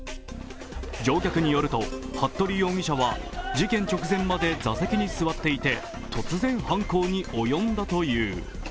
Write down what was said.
乗客によると、服部容疑者は事件直前まで座席に座っていて突然、犯行に及んだという。